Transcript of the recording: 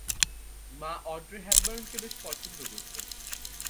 মা অড্রে হ্যাপবার্নকে বেশ পছন্দ করত!